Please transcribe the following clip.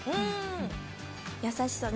優しそう。